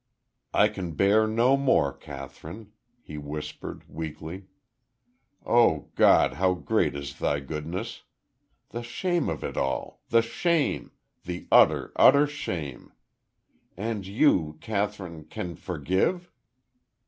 "I can bear no more, Kathryn," he whispered, weakly. "Oh, God, how great is Thy goodness! The shame of it all! The shame! The utter, utter shame! ... And you, Kathryn, can forgive!"